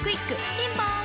ピンポーン